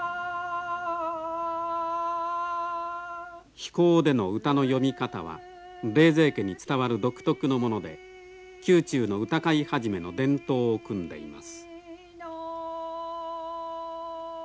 披講での歌の詠み方は冷泉家に伝わる独特のもので宮中の歌会始の伝統をくんでいます。